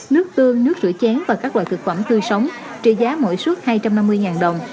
nước tương nước rửa chén và các loại thực phẩm tươi sống trị giá mỗi xuất hai trăm năm mươi đồng